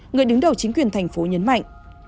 người đứng đầu chính quyền thành phố nhấn mạnh